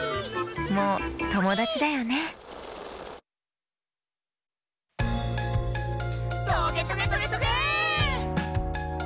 もうともだちだよね「トゲトゲトゲトゲェー！！」